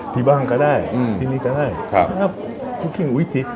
ที่บ้างก็ได้ที่นี่ก็ได้